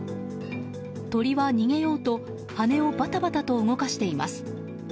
鳥は逃げようと羽をバタバタと動かしています。